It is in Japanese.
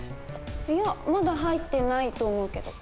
いやまだ入ってないと思うけど。